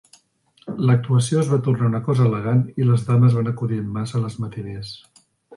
L'actuació es va tornar una cosa elegant i les dames van acudir en massa a les matinés.